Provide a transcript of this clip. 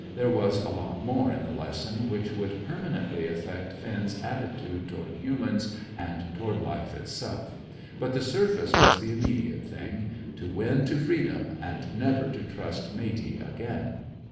There was a lot more in the lesson which would permanently affect Finn's attitude toward humans and toward life itself. But the surface was the immediate thing; to win to freedom, and never to trust Matey again.